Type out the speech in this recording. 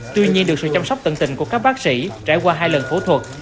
tuy nhiên được sự chăm sóc tận tình của các bác sĩ trải qua hai lần phẫu thuật